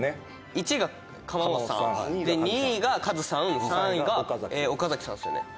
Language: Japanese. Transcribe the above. １位が釜本さん２位がカズさん３位が岡崎さんですよね？